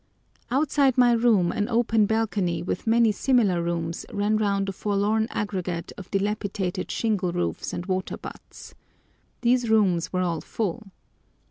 Outside my room an open balcony with many similiar rooms ran round a forlorn aggregate of dilapidated shingle roofs and water butts. These rooms were all full.